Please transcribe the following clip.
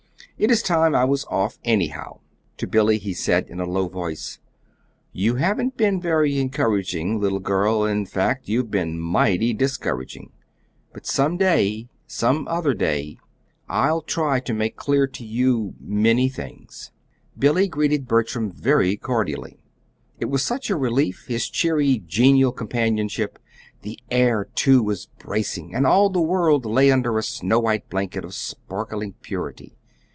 "It is time I was off anyhow." To Billy, he said in a low voice: "You haven't been very encouraging, little girl in fact, you've been mighty discouraging. But some day some other day, I'll try to make clear to you many things." Billy greeted Bertram very cordially. It was such a relief his cheery, genial companionship! The air, too, was bracing, and all the world lay under a snow white blanket of sparkling purity.